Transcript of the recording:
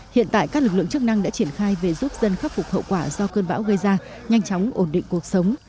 hiện tại các lực lượng chức năng đã triển khai về giúp dân khắc phục hậu quả do cơn bão gây ra nhanh chóng ổn định cuộc sống